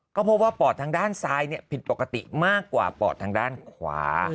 ก็พบว่าปอดทางด้านซ้ายผิดปกติมากกว่าปอดทางด้านขวา